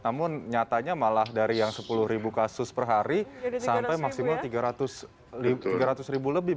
namun nyatanya malah dari yang sepuluh ribu kasus per hari sampai maksimal tiga ratus ribu lebih